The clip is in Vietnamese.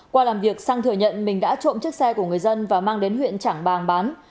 qua làm việc sang thừa nhận mình đã trộm chiếc xe của người dân và mang đến huyện trảng bàng bán